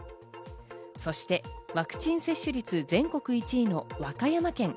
そしてワクチン接種率、全国１位の和歌山県。